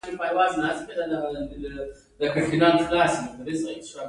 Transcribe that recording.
د پانګې راټولېدل د کارګرانو ژوند تریخوي